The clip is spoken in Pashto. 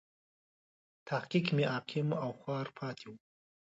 تحقیق مې عقیم او خوار پاتې و.